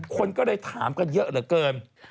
คนก็เลยถามกันเยอะเหลือเกิน